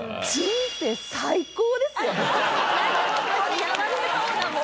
幸せそうだもん。